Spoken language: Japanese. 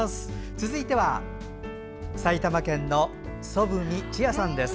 続いては埼玉県の蘓武美知也さんです。